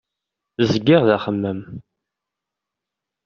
Zgiɣ d axemmem.